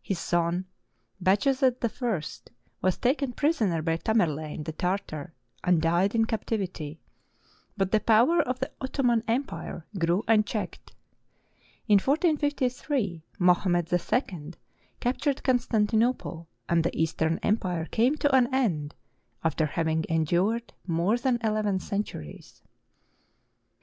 His son, Bajazet I, was taken prisoner by Tamerlane the Tartar and died in captivity, but the power of the Ottoman Empire grew unchecked. In 1453, Mohammed II captured Constan tinople, and the Eastern Empire came to an end after having endured more than eleven centuries.